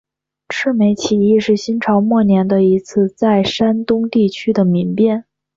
赤眉起义是新朝末年的一次在山东地区的民变。